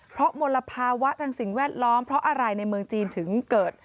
เพราะมลภาวะทางสิ่งแวดล้อมเพราะอะไรในเมืองจีนถึงเกิด